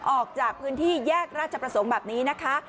ออกจากพื้นที่แยกราชประสงค์แบบนี้นะคะ